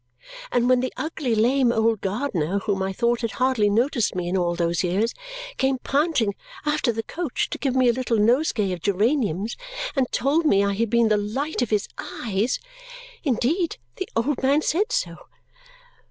and when the ugly lame old gardener, who I thought had hardly noticed me in all those years, came panting after the coach to give me a little nosegay of geraniums and told me I had been the light of his eyes indeed the old man said so!